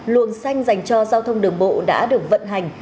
luồng xanh dành cho giao thông đường bộ đã được vận hành